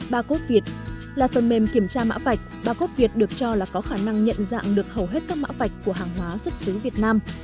bacode là phần mềm kiểm tra mã vạch bacot được cho là có khả năng nhận dạng được hầu hết các mã vạch của hàng hóa xuất xứ việt nam